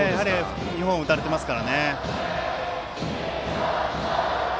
２本打たれていますからね。